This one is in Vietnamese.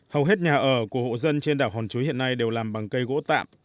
hầu hết nhà ở của hộ dân trên đảo hòn chuối hiện nay đều làm bằng cây gỗ tạm